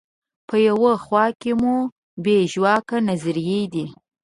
په یوه خوا کې مو بې ژواکه نظریې دي.